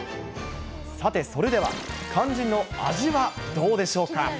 さて、それでは肝心の味はどうでしょうか？